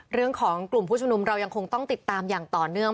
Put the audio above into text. เรื่องของกลุ่มผู้ชุมนุมเรายังคงต้องติดตามอย่างต่อเนื่อง